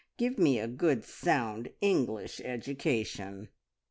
Give me a good sound English education!"